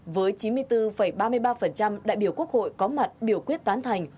với chín mươi bốn ba mươi ba đại biểu quốc hội có mặt biểu quyết tán thành